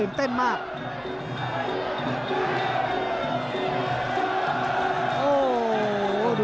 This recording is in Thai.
โดนท่องมีอาการ